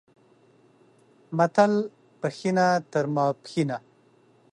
متل، پښینه تر ماپښینه